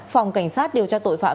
phòng cảnh sát điều tra tội phạm